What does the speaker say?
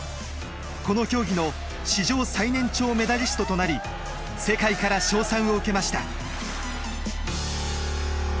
この競技の史上最年長メダリストとなり世界から称賛を受けました。